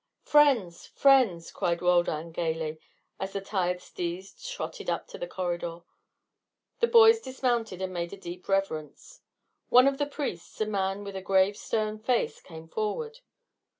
"Friends! Friends!" cried Roldan gaily, as the tired steeds trotted up to the corridor. The boys dismounted and made a deep reverence. One of the priests, a man with a grave stern face came forward.